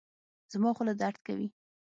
زما خوله درد کوي